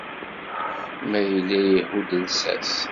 Ma yella ihudd llsas.